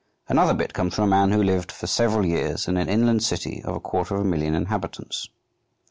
Another bit comes from a man who lived for several years in an inland city of a quarter of a million inhabitants.